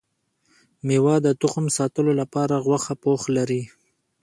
ميوه د تخم ساتلو لپاره غوښه پوښ لري